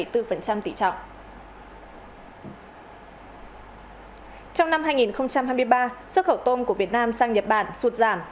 trong năm hai nghìn hai mươi ba xuất khẩu tôm của việt nam sang nhật bản sụt giảm